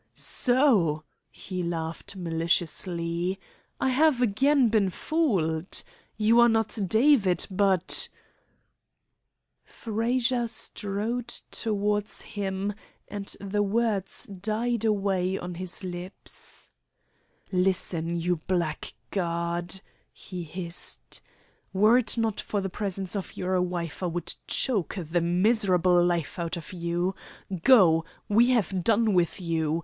"So," he laughed maliciously, "I have again been fooled. You are not David, but " Frazer strode towards him, and the words died away on his lips. "Listen, you blackguard!" he hissed. "Were it not for the presence of your wife I would choke the miserable life out of you. Go! We have done with you!